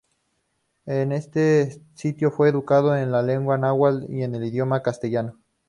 En este sitio fue educado en la lengua náhuatl y en el idioma castellano.